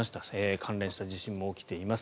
関連した地震も起きています。